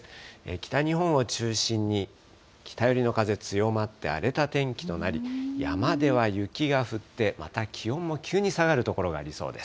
北日本を中心に、北寄りの風強まって、荒れた天気となり、山では雪が降って、また気温も急に下がる所がありそうです。